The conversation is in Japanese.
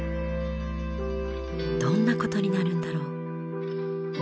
どんなことになるんだろう？